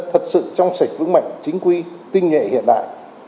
thật sự trong sạch vững mạnh chính quy tinh nhuệ hiện đại